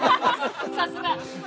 さすが。